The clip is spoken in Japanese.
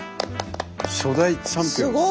初代チャンピオンっすしかも。